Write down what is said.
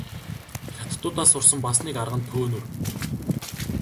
Хятадуудаас сурсан бас нэг арга нь төөнүүр.